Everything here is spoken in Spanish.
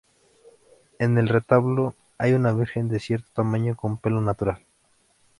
En el retablo hay una virgen de cierto tamaño con pelo natural.